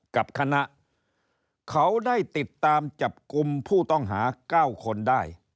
กับคณะเขาได้ติดตามจับกลุ่มผู้ต้องหา๙คนได้